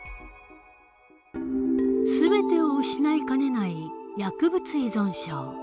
全てを失いかねない薬物依存症。